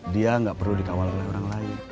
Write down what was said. dia nggak perlu dikawal oleh orang lain